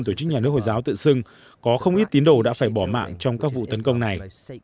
tổ chức nhà nước hồi giáo tự xưng có không ít tín đồ đã phải bỏ mạng trong các vụ tấn công này